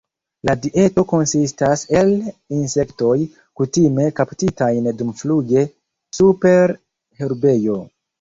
La dieto konsistas el insektoj, kutime kaptitajn dumfluge super herbejo.